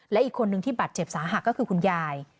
และอีกคนนึงที่บาดเจ็บสาหัสก็คือคุณยาย